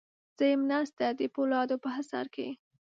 زه یم ناسته د پولادو په حصار کې